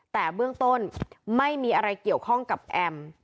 แต่เบื้องต้นไม่มีอะไรเกี่ยวข้องกับแอม